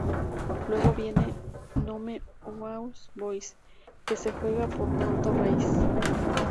Luego viene "Nome aos Bois", que se juega por Nando Reis.